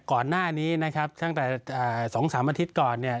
ก่อนหน้านี้นะครับตั้งแต่๒๓อาทิตย์ก่อนเนี่ย